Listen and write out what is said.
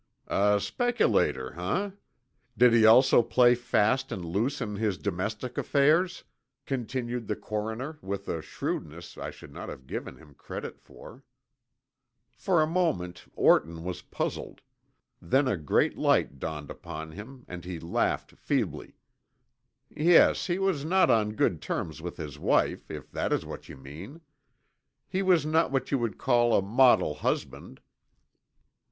"A speculator, eh? Did he also play fast and loose in his domestic affairs?" continued the coroner with a shrewdness I should not have given him credit for. For a moment Orton was puzzled, then a great light dawned upon him and he laughed feebly. "Yes, he was not on good terms with his wife, if that is what you mean. He was not what you would call a model husband."